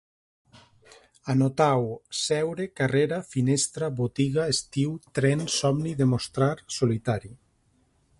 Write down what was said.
Anotau: seure, carrera, finestra, botiga, estiu, tren, somni, demostrar, solitari